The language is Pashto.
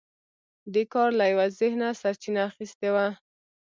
دې کار له یوه ذهنه سرچینه اخیستې وه